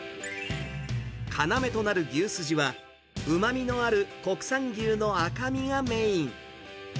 要となる牛すじは、うまみのある国産牛の赤身がメイン。